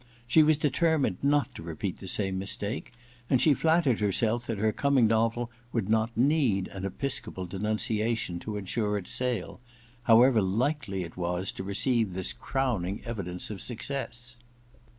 She was determined not to repeat the same mistake, and she flattered herself that her coming novel would not need an episcopal denunciation to insure its sale, however likely it was to receive this crowning evidence of success.